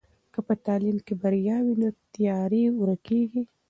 که په تعلیم کې بریا وي نو تیارې ورکېږي.